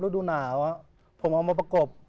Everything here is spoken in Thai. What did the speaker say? ดูหนาวผมเอามาประกบ